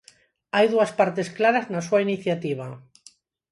Hai dúas partes claras na súa iniciativa.